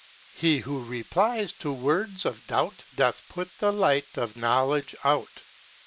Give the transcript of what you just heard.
He who replies to words of Doubt Doth put the Light of Knowledge out.